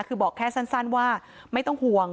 คือบอกแค่สั้นว่าไม่ต้องห่วง